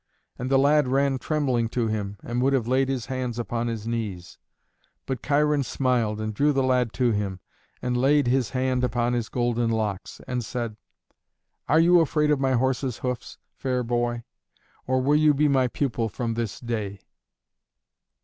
And the lad ran trembling to him, and would have laid his hands upon his knees. But Cheiron smiled, and drew the lad to him, and laid his hand upon his golden locks, and said, "Are you afraid of my horse's hoofs, fair boy, or will you be my pupil from this day?"